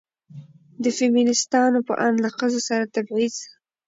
د فيمينستانو په اند له ښځو سره تبعيض